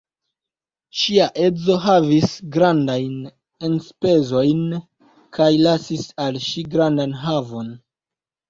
Ŝia edzo havis grandajn enspezojn kaj lasis al ŝi grandan havon.